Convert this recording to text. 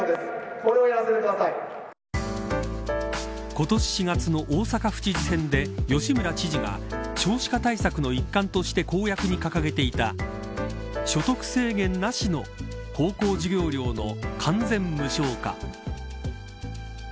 今年４月の大阪府知事選で吉村知事が少子化対策の一環として公約に掲げていた所得制限なしの高校授業料の完全無償化。